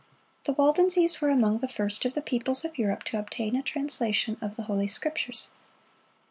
The Waldenses were among the first of the peoples of Europe to obtain a translation of the Holy Scriptures.